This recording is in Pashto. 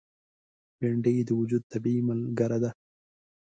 بېنډۍ د وجود طبیعي ملګره ده